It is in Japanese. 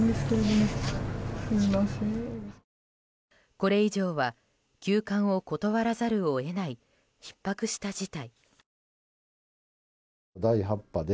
これ以上は急患を断らざるを得ないひっ迫した事態。